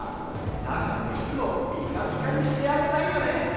だからいつもピカピカにしてあげたいよね。